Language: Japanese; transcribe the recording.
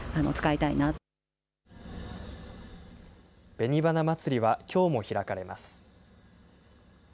べに花まつりは、きょうも開かれます。